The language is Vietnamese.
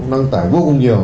đăng tải vô cùng nhiều